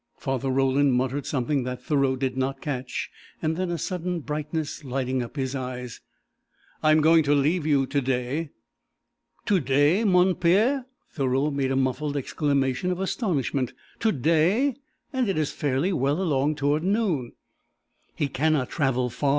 Father Roland muttered something that Thoreau did not catch, and then, a sudden brightness lighting up his eyes: "I am going to leave you to day." "To day, mon Père!" Thoreau made a muffled exclamation of astonishment. "To day? And it is fairly well along toward noon!" "He cannot travel far."